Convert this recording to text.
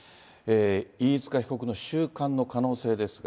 飯塚被告の収監の可能性ですが。